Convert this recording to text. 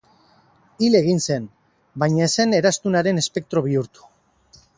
Hil egin zen, baina ez zen eraztunaren espektro bihurtu.